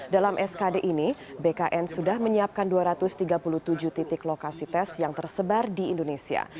dalam skd ini bkn sudah menyiapkan dua ratus tiga puluh tujuh titik lokasi tes yang tersebar di indonesia